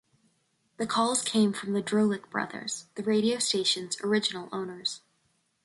The calls came from the Drolich brothers, the radio station's original owners.